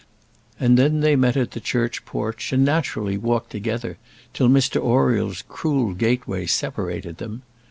And then they met at the church porch, and naturally walked together till Mr Oriel's cruel gateway separated them.